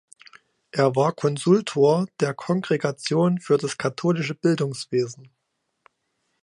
Er war Konsultor der Kongregation für das Katholische Bildungswesen.